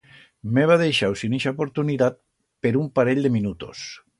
M'heba deixau sin ixa oportunidat per un parell de minutos.